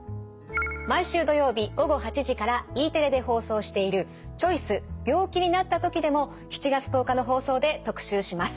毎週土曜日午後８時からＥテレで放送している「チョイス＠病気になったとき」でも７月１０日の放送で特集します。